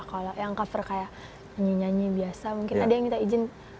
kalau yang cover kayak nyanyi nyanyi biasa mungkin ada yang minta izin